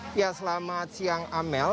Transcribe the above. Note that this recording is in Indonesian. selamat siang amel